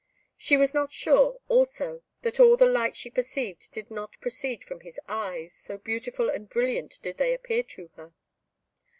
She was not sure, also, that all the light she perceived did not proceed from his eyes, so beautiful and brilliant did they appear to her.